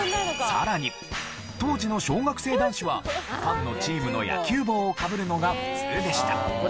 さらに当時の小学生男子はファンのチームの野球帽をかぶるのが普通でした。